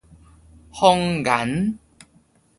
紅顏